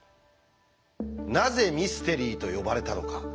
なぜミステリーと呼ばれたのか？